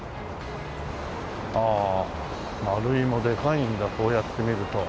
ああマルイもでかいんだこうやって見ると。